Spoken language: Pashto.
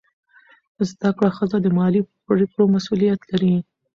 زده کړه ښځه د مالي پریکړو مسؤلیت لري.